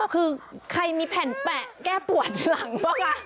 คือใครมีแผ่นแปะแก้ปวดหลังบ้างคะ